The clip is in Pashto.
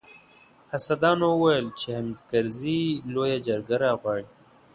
حاسدانو ويل چې حامد کرزي لويه جرګه راغواړي.